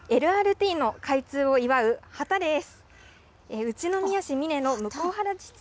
ＬＲＴの開通を祝う旗です。